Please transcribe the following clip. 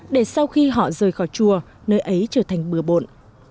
để sau khi họ rời khỏi chùa nơi ấy trở thành bừa bộn